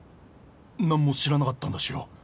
なんも知らなかったんだしよう。